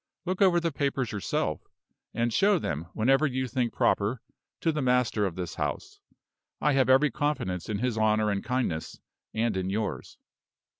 Look over the papers yourself, and show them, whenever you think proper, to the master of this house. I have every confidence in his honor and kindness, and in yours."